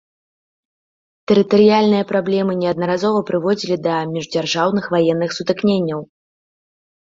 Тэрытарыяльныя праблемы неаднаразова прыводзілі да міждзяржаўных ваенных сутыкненняў.